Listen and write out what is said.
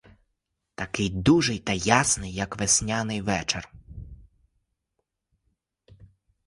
Такий дужий та ясний, як весняний вечір.